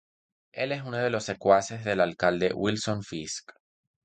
Él es uno de los secuaces del alcalde Wilson Fisk.